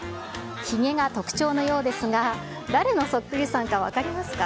ひげが特徴のようですが、誰のそっくりさんか分かりますか？